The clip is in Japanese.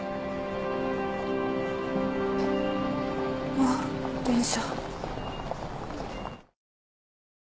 あっ電車。